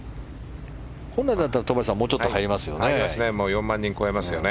本来だったら戸張さんもうちょっと入りますよね。